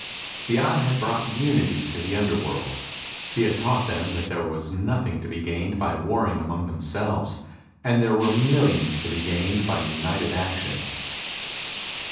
The Eye had brought unity to the underworld. He had taught them that there was nothing to be gained by warring among themselves; and there were millions to be gained by united action.